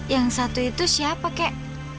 yang satu itu siapa kek